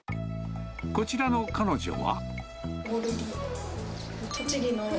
こちらの彼女は。